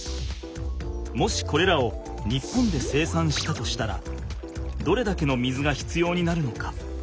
もしこれらを日本で生産したとしたらどれだけの水が必要になるのか？